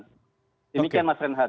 demikian mas renhat